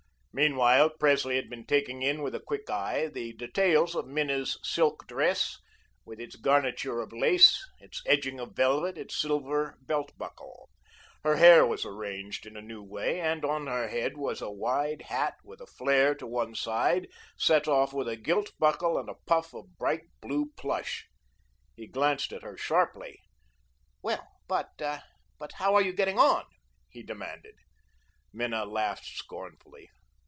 Meanwhile, Presley had been taking in with a quick eye the details of Minna's silk dress, with its garniture of lace, its edging of velvet, its silver belt buckle. Her hair was arranged in a new way and on her head was a wide hat with a flare to one side, set off with a gilt buckle and a puff of bright blue plush. He glanced at her sharply. "Well, but but how are you getting on?" he demanded. Minna laughed scornfully.